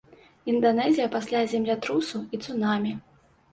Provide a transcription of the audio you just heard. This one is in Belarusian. Інданэзія пасля землятрусу і цунамі.